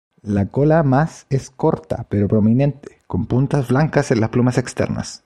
La cola más es corta pero prominente, con puntas blancas en las plumas externas.